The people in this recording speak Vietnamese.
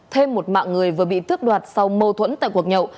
thêm một mạng người vừa bị tước đoạt sau mâu thuẫn tại cuộc nhậu